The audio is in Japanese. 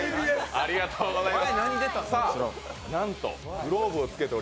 ありがとうございます。